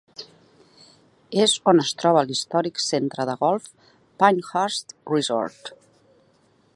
És on es troba l'històric centre de golf Pinehurst Resort.